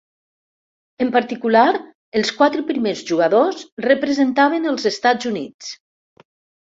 En particular, els quatre primers jugadors representaven els Estats Units.